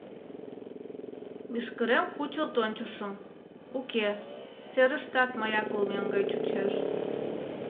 Мӱшкырем кучылт ончышым: уке, серыштат мыяк улмем гай чучеш.